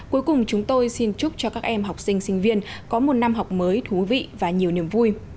cuối cùng chúng tôi xin chúc cho các em học sinh sinh viên có một năm học mới thú vị và nhiều niềm vui